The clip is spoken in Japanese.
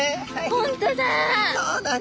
本当だ！